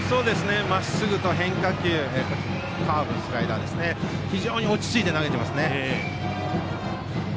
まっすぐと変化球カーブ、スライダー非常に落ち着いて投げていますね。